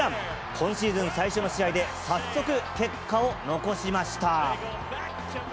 今シーズン最初の試合で、早速、結果を残しました。